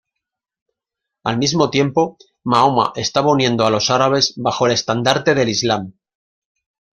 Al mismo tiempo, Mahoma estaba uniendo a los árabes bajo el estandarte del Islam.